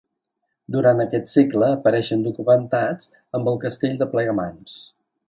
Durant aquest segle apareixen documentats amb el castell de Plegamans.